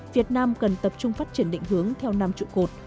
việt nam cần tập trung phát triển định hướng theo năm trụ cột